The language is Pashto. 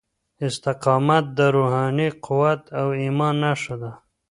استقامت د روحاني قوت او ايمان نښه ده.